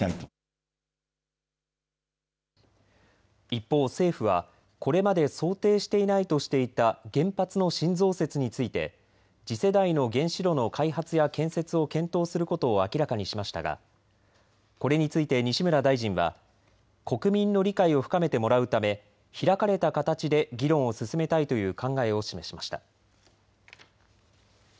一方、政府はこれまで想定していないとしていた原発の新増設について次世代の原子炉の開発や建設を検討することを明らかにしましたがこれについて西村大臣は国民の理解を深めてもらうため開かれた形で議論を進めたいという考えを示しました。